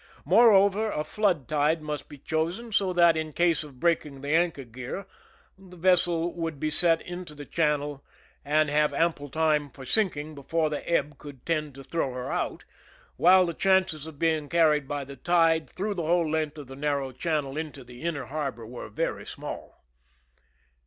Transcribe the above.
Moreover, a flood tide must be chosen, so that, in case of break ing the anchor gear, the vessel would be set into the channel and have ample time for sinking before the ebb could tend to throw her out, while the chances of being carried by the tide through the whole length of the narrow channel into the inner harbor were very small.